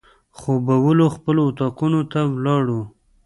خوبولي خپلو اطاقونو ته ولاړو.